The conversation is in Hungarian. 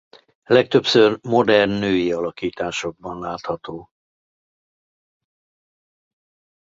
Legtöbbször modern női alakításokban látható.